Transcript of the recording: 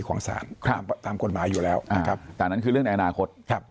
ของสารตามกฎหมายอยู่แล้วนะครับแต่อันนั้นคือเรื่องในอนาคต